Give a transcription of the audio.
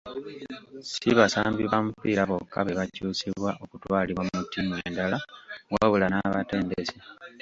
Si basambi ba mupiira bokka be bakyusibwa okutwalibwa mu ttiimu endala wabula n'abatendesi.